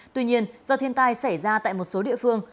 tuy nhiên do thiên tai xảy ra tại một số địa phương